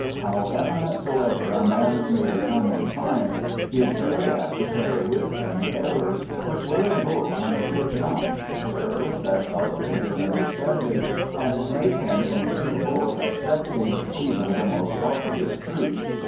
How eminent soever a man may become in science, he is very apt to carry with him errors which were in vogue when he was young — errors that darken his understanding, and make him incapable of accepting even the most obvious truths.